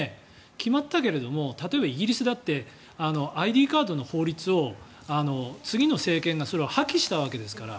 決まったけれども例えばイギリスだってＩＤカードの法律を次の政権がそれを破棄したわけですから。